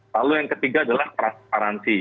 lalu yang ketiga adalah transparansi